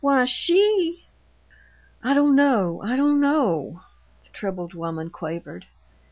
Why, she " "I don't know, I don't know," the troubled woman quavered.